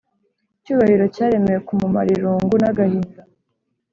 cyubahiro cyaremewe kumumara irungu nagahinda